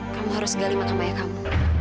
kamu harus gali makam ayah kamu